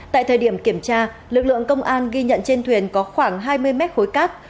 tại thời điểm kiểm tra lực lượng công an ghi nhận trên thuyền có khoảng hai mươi mét khối cát